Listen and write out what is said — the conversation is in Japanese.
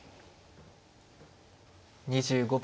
２５秒。